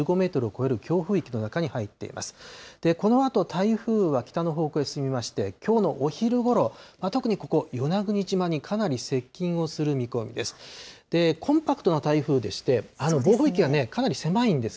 このあと、台風は北の方向へ進みまして、きょうのお昼ごろ、特にここ、与那国島にかなり接近をする見込みです。